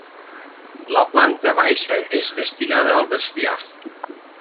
La planta baixa és destinada al bestiar.